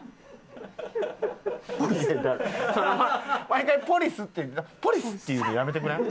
毎回ポリスって言ったら「ポリス？」って言うのやめてくれん？